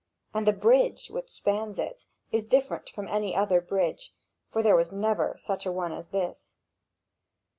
And the bridge, which spans it, is different from any other bridge; for there never was such a one as this.